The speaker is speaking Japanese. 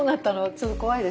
ちょっと怖いですよ。